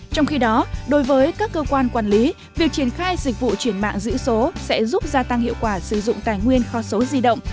trong khi đó đối với các cơ quan quản lý việc triển khai dịch vụ chuyển mạng giữ số sẽ giúp gia tăng hiệu quả sử dụng tài nguyên kho số di động